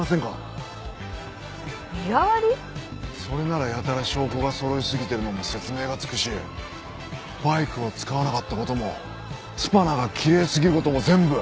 それならやたら証拠がそろいすぎてるのも説明がつくしバイクを使わなかった事もスパナがきれいすぎる事も全部。